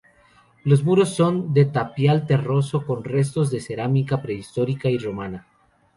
Los muros son de tapial terroso, con restos de cerámica prehistórica y romana.